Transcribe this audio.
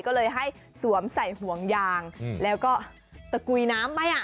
ก็เลยให้สวมใส่ห่วงยางแล้วก็ตะกุยน้ำไปอ่ะ